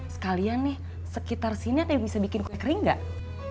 sekalian nih sekitar sini ada yang bisa bikin kue kering gak